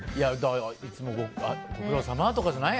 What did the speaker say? いつもご苦労さまとかじゃない？